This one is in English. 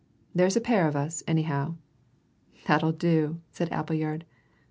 There's a pair of us, anyhow." "That'll do," said Appleyard.